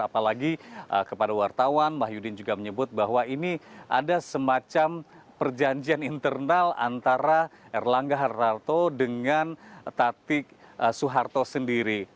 apa lagi kepada wartawan mah yudin juga menyebut bahwa ini ada semacam perjanjian internal antara erlangga hartarto dengan tatik soeharto sendiri